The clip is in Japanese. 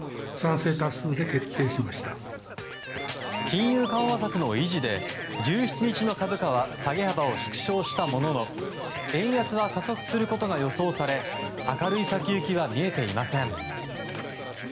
金融緩和策の維持で１７日の株価は下げ幅を縮小したものの円安は加速することが予想され明るい先行きは見えていません。